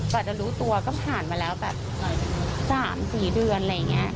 กว่าจะรู้ตัวก็ผ่านมาแล้วแบบ๓๔เดือนอะไรอย่างนี้